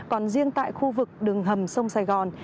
còn riêng tại khu vực đường hầm sông sài gòn